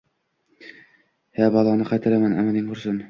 He, baloni qaytargan amaling qursin